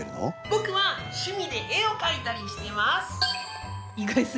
僕は趣味で絵を描いたりしてます。